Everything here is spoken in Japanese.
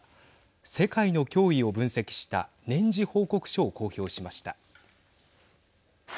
世界の脅威を分析した年次報告書を公表しました。